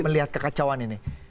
melihat kekacauan ini